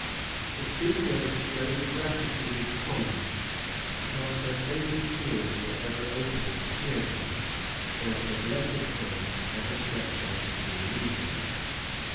The speaker displayed the gratitude of the commons, because her sacred ears were ever open to hear them, and her blessed hands ever stretched out to relieve them.